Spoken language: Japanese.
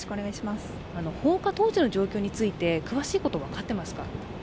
放火当時の状況について詳しいこと、分かってますか？